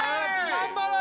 頑張れ！